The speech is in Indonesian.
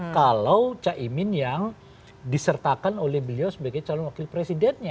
kalau caimin yang disertakan oleh beliau sebagai calon wakil presidennya